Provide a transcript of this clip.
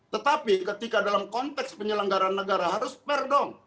tetapi ketika dalam konteks penyelenggaran negara harus fair dong